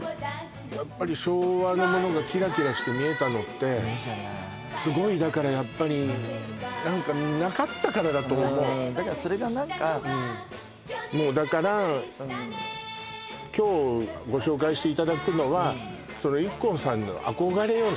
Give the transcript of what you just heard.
やっぱり昭和のものがキラキラして見えたのってすごいだからやっぱりだからそれが何かもうだから今日ご紹介していただくのはＩＫＫＯさんの憧れよね